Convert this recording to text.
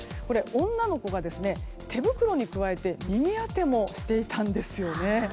女の子が手袋に加えて耳当てもしていたんですよね。